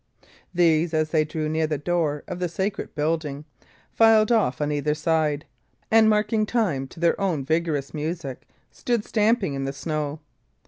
These, as they drew near the door of the sacred building, filed off on either side, and, marking time to their own vigorous music, stood stamping in the snow.